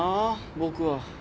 僕は。